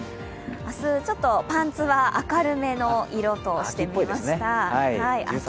明日ちょっとパンツは明るめの色としてみました。